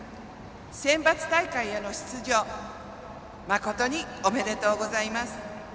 センバツ大会への出場まことにおめでとうございます。